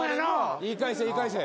言い返せ言い返せ。